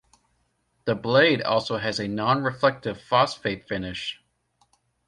The blade also has a non-reflective phosphate finish.